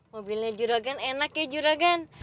mobilnya juragan enak ya juragan